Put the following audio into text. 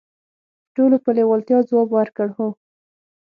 ټولو په لیوالتیا ځواب ورکړ: "هو".